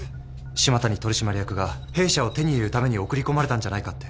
島谷取締役が弊社を手に入れるために送り込まれたんじゃないかって